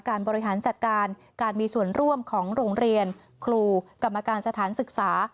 บริหารจัดการการมีส่วนร่วมของโรงเรียนครูกรรมการสถานศึกษา